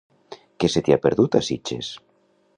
Què se t'hi ha perdut, a Sitges?